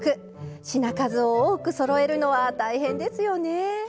品数を多くそろえるのは大変ですよね。